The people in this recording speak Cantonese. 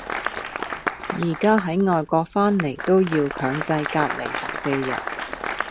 而家喺外國返嚟都要強制隔離十四日